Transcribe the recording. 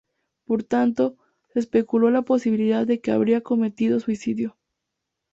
Por tanto, se especuló la posibilidad de que habría cometido suicidio.